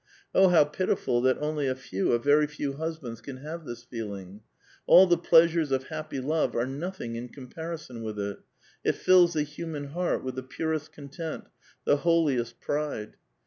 Oh, how pitiful that only a few, a very few, husbands can have this feeling I All tlie pleasures of happy love are nothing in comparison with it ; it fills the human heart with the purest content, the holiest pride.